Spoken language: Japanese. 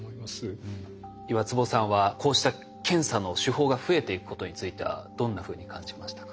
岩坪さんはこうした検査の手法が増えていくことについてはどんなふうに感じましたか？